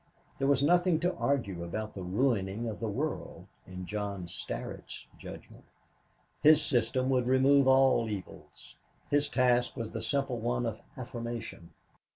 There was nothing to argue about the ruining of the world, in John Starrett's judgment. His system would remove all evils. His task was the simple one of affirmation.